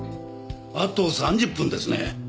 あと３０分ですね。